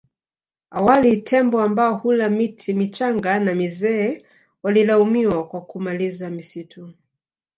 Awali tembo ambao hula miti michanga na mizee walilaumiwa kwa kumaliza misitu